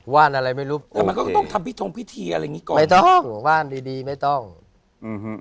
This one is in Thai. ว่านอะไรไม่รู้แต่มันก็ต้องทำพิธงพิธีอะไรอย่างงี้ก่อนไม่ต้องว่านดีดีไม่ต้องอืม